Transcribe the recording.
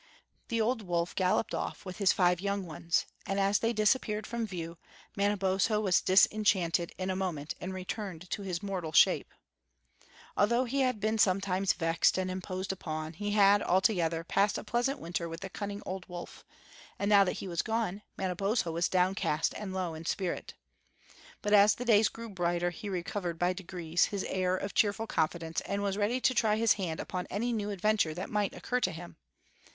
The old wolf galloped off with his five young ones; and as they disappeared from view, Manabozho was disenchanted in a moment and returned to his mortal shape. Although he had been sometimes vexed and imposed upon, he had, altogether, passed a pleasant winter with the cunning old wolf, and now that he was gone, Manabozho was downcast and low in spirit. But as the days grew brighter he recovered by degrees his air of cheerful confidence and was ready to try his hand upon any new adventure that might occur to him.